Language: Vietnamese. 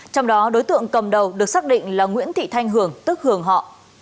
trong đó đối tượng cầm đầu được xác định là nguyễn thị thanh hường tức hường họ